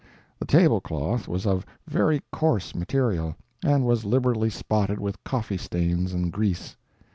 The table cloth was of very coarse material and was liberally spotted with coffee stains and grease.